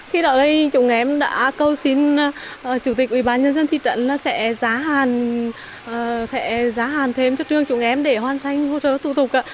khi đó chúng em đã câu xin chủ tịch ủy ban nhân dân thị trấn sẽ giá hàn thêm cho trường chúng em để hoàn thành hỗ trợ tư thuộc